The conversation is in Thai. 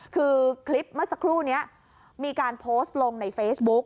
คือคลิปเมื่อสักครู่นี้มีการโพสต์ลงในเฟซบุ๊ก